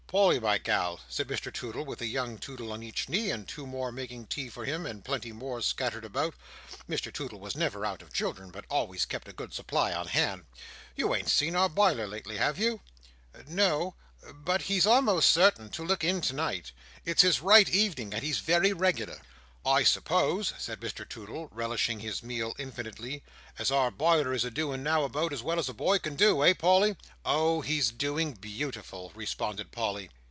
"Polly, my gal," said Mr Toodle, with a young Toodle on each knee, and two more making tea for him, and plenty more scattered about—Mr Toodle was never out of children, but always kept a good supply on hand—"you ain't seen our Biler lately, have you?" "No," replied Polly, "but he's almost certain to look in tonight. It's his right evening, and he's very regular." "I suppose," said Mr Toodle, relishing his meal infinitely, "as our Biler is a doin' now about as well as a boy can do, eh, Polly?" "Oh! he's a doing beautiful!" responded Polly.